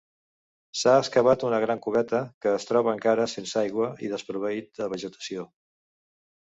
S'ha excavat una gran cubeta que es troba encara sense aigua i desproveït de vegetació.